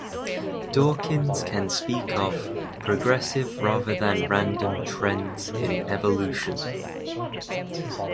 Dawkins can speak of "progressive rather than random ... trends in evolution".